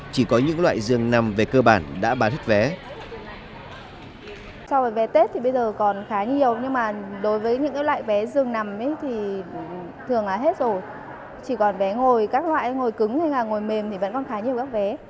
chỉ còn vé ngồi các loại ngồi cứng hay là ngồi mềm thì vẫn còn khá nhiều các vé